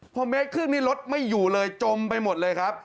พอเมตรครึ่งนี่รถไม่อยู่เลยจมไปหมดเลยครับ